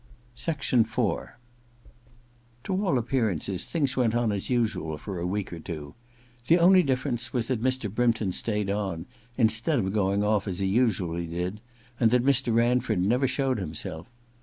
IV To all appearances, things went on as usual for a week or two. The only difFerence was that Mr. Brympton stayed on, instead of going off as he usually did, and that Mr. Ranford never showed himself.